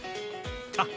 あっ